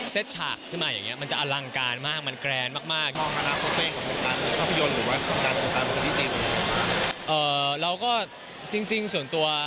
เซตฉากขึ้นมาอย่างเงี้ยมันจะอลังการมากมันแกรนมากอ่าเราก็จริงส่วนตัว